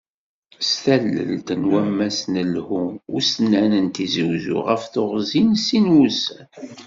S tallelt n Wammas n Lhu Ussnan n Tizi Uzzu, ɣef teɣzi n sin wussan.